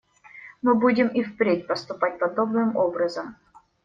Мы будем и впредь поступать подобным образом.